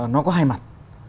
nó có hai mặt